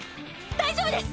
大丈夫です！